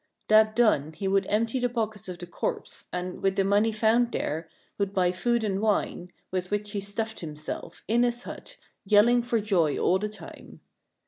That done, he would empty the pockets of the corpse, and, with the money found there, would buy food and wine, with which he stuffed himself, in his hut, yelling for joy all the time.